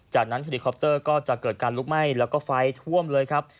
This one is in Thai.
จากนั้นเฮลิคอปเตอร์ก็จะเกิดการลุกไหม้แล้วก็ไฟท่วมเลยครับ